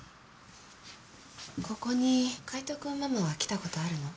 ここに海斗君ママは来たことあるの？